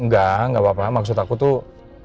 gak gak apa apa maksud aku tuh